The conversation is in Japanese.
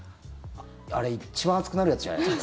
あれ一番熱くなるやつじゃないですか。